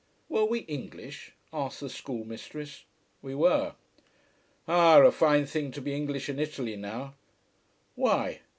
Were we English? asked the schoolmistress. We were. Ah, a fine thing to be English in Italy now. _Why?